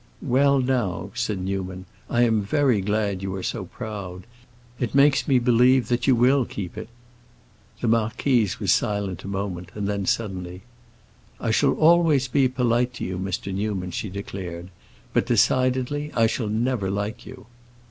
"Well, now," said Newman, "I am very glad you are so proud. It makes me believe that you will keep it." The marquise was silent a moment, and then, suddenly, "I shall always be polite to you, Mr. Newman," she declared, "but, decidedly, I shall never like you."